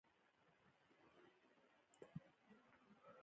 شک نه درلود.